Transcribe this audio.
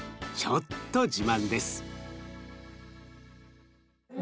ちょっと自慢です。